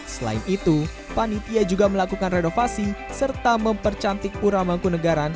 selain itu panitia juga melakukan renovasi serta mempercantik pura mangkunagaran